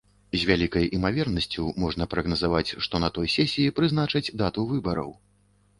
З вялікай імавернасцю можна прагназаваць, што на той сесіі прызначаць дату выбараў.